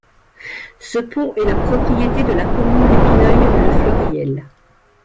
Ce pont est la propriété de la commune d'Épineuil-le-Fleuriel.